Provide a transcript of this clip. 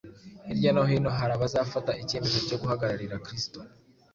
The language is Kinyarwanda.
Hirya no hino hari abazafata icyemezo cyo guhagararira Kristo